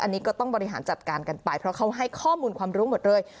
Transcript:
อันนี้ก็ต้องบริหารจัดการกันไปเพราะเขาให้ข้อมูลความรู้หมดเลย